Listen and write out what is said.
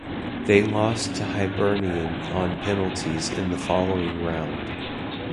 They lost to Hibernian on penalties in the following round.